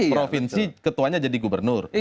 provinsi ketuanya jadi gubernur